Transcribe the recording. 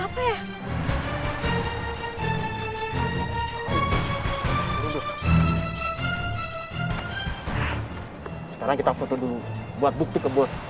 sekarang kita foto dulu buat bukti ke bos